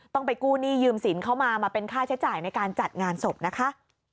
ต้องไปกู้หนี้ยืมสินเข้ามามาเป็นค่าใช้จ่ายในการจัดงานศพนะคะ